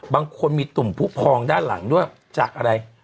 บางคนมีตุ่มผู้พองด้านหลังด้วยจากอะไร